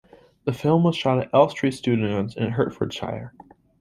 The film was shot at Elstree Studios in Hertfordshire.